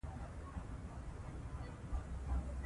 لیکوال پر همدې اصالت ټینګار کوي.